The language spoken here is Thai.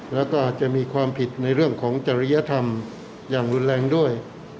แล้วก็อาจจะมีความผิดในเรื่องของจริยธรรมอย่างรุนแรงด้วย